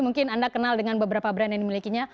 mungkin anda kenal dengan beberapa brand yang dimilikinya